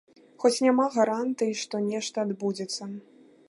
Хоць няма гарантый, што нешта адбудзецца.